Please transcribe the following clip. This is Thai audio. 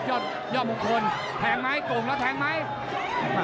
ยอดมงคลแทงไหมโก่งแล้วแทงไหม